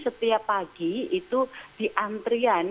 setiap pagi itu diantrian